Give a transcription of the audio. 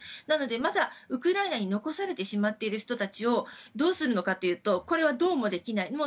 なので、まだウクライナに残されてしまっている人たちをどうするのかというとこれはどうもできない。